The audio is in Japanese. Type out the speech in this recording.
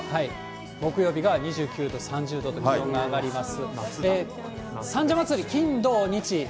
木曜日が２９度、３０度と気温が上がります。